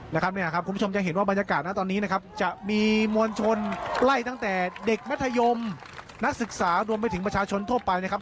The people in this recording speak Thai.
นะครับเนี่ยครับคุณผู้ชมจะเห็นว่าบรรยากาศนะตอนนี้นะครับจะมีมวลชนไล่ตั้งแต่เด็กมัธยมนักศึกษารวมไปถึงประชาชนทั่วไปนะครับ